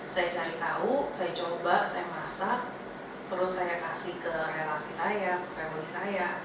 saya cari tahu saya coba saya masak terus saya kasih ke relasi saya ke family saya